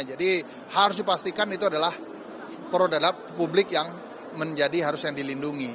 jadi harus dipastikan itu adalah perodadak publik yang menjadi harus yang dilindungi